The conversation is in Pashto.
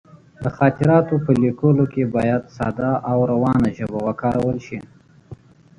د خاطراتو په لیکلو کې باید ساده او روانه ژبه وکارول شي.